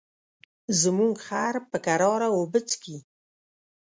زموږ خر په کراره اوبه څښي.